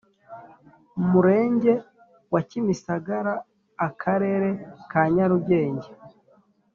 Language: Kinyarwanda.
Murenge wa kimisagara akarere ka nyarugenge